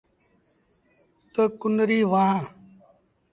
تا ڪنريٚ وهآن۔